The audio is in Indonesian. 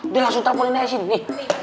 dia langsung telfonin aja sini